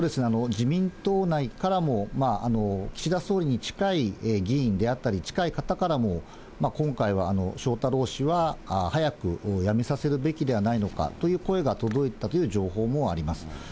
自民党内からも岸田総理に近い議員であったり、近い方からも、今回は、翔太郎氏は早く辞めさせるべきではないのかという声が届いたという情報もあります。